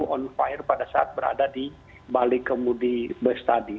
on fire pada saat berada di balik kemudi bus tadi